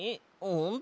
うん！